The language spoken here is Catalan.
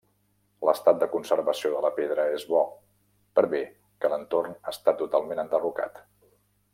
L'estat de conservació de la pedra és bo, per bé que l'entorn està totalment enderrocat.